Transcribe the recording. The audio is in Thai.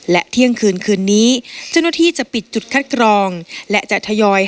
และเที่ยงคืนคืนนี้เจ้าหน้าที่จะปิดจุดคัดกรองและจะทยอย